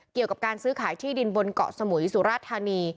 เกี่ยวกับการซื้อขายที่ดินบนเกาะสมุยสุราธานี